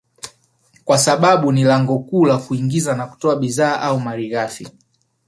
kwa sababu ni lango kuu la kuingiza na kutoa bidhaa au malighafi